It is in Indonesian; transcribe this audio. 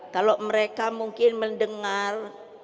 kalau mereka mungkin mendengar